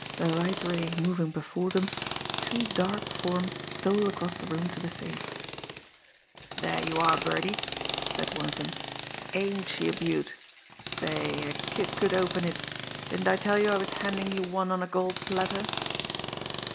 The light ray moving before them, two dark forms stole across the room to the safe. "There you are, Birdie!" said one of them. "Ain't she a beaut! Say, a kid could open it! Didn't I tell you I was handing you one on a gold platter!"